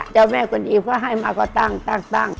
เจ้าแม่คนอีฟก็ให้มาก็ตั้งตั้งตั้ง